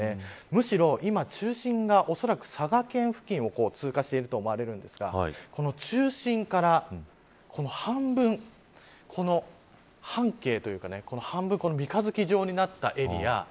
むしろ今中心がおそらく佐賀県付近を通過していると思われますがこの中心から半分この半径というか三日月状になったエリア。